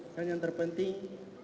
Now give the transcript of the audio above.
dan yang terpenting